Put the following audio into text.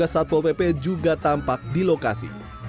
satpol pp juga tampak di lokasi